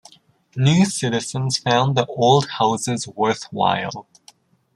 New citizens found the old houses worthwhile.